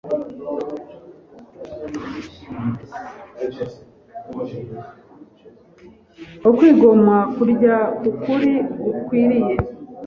Ukwigomwa kurya k’ukuri gukwiriye